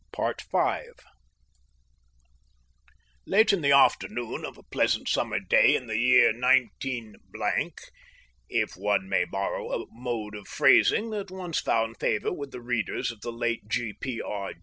5 Late in the afternoon of a pleasant summer day in the year 191 , if one may borrow a mode of phrasing that once found favour with the readers of the late G. P. R.